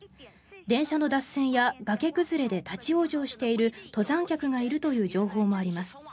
電車の脱線や崖崩れで立ち往生している登山客がいるという情報もあります。